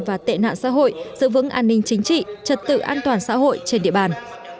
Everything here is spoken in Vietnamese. và tệ nạn xã hội giữ vững an ninh chính trị trật tự an toàn xã hội trên địa bàn